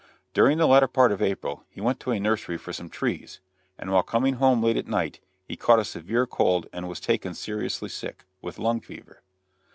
During the latter part of April he went to a nursery for some trees, and while coming home late at night he caught a severe cold and was taken seriously sick, with lung fever.